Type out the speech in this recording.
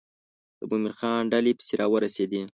د مومن خان ډلې پسې را ورسېدې.